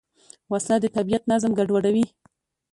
وسله د طبیعت نظم ګډوډوي